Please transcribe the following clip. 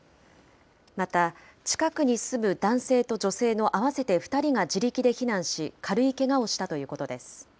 また、近くに住む男性と女性の合わせて２人が自力で避難し、軽いけがをしたということです。